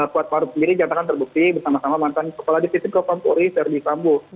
kuatmaruf sendiri jatakan terbukti bersama sama mantan kepala divisi kepampung uri ferdi sambo